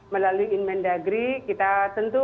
melalui inmen dagri kita tentu